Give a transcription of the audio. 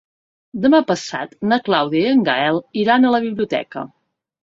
Demà passat na Clàudia i en Gaël iran a la biblioteca.